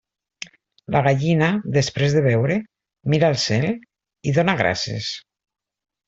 La gallina, després de beure, mira al cel i dóna gràcies.